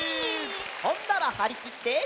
ほんならはりきって。